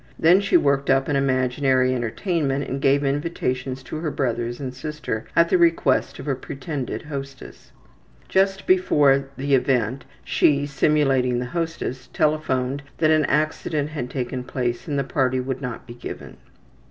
Then she worked up an imaginary entertainment and gave invitations to her brothers and sister at the request of a pretended hostess. Just before the event she, simulating the hostess, telephoned that an accident had taken place and the party would not be given.